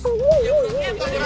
bu ranti mau ikut